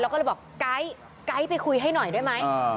เราก็เลยบอกไก๊ไปคุยให้หน่อยด้วยไหม